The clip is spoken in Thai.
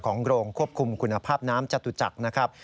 โรงควบคุมคุณภาพน้ำจตุจักรนะครับ